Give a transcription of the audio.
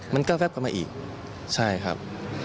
มันก็แป๊บกลับมาอีกใช่ครับ